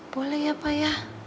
boleh ya pak ya